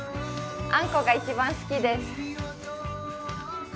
あんこが一番好きです。